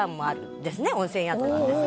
温泉宿なんです」